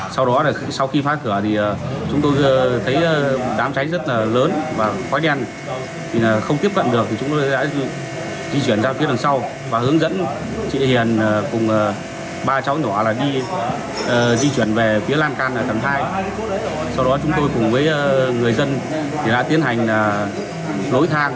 sau đó chúng tôi cùng với người dân đã tiến hành lối thang